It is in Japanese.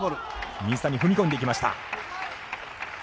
水谷踏み込んでいきました。